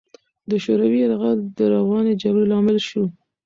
د شوروي یرغل د روانې جګړې لامل شو.